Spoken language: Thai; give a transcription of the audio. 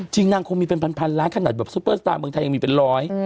นางคงมีเป็นพันล้านขนาดแบบซุปเปอร์สตาร์เมืองไทยยังมีเป็นร้อย